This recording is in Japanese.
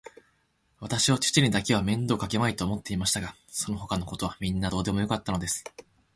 わたしは父にだけは面倒をかけまいと思っていましたが、そのほかのことはみんなどうでもよかったのです。